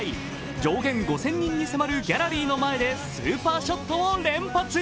上限５０００人に迫るギャラリーの前でスーパーショットを連発。